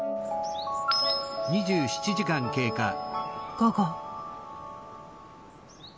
午後。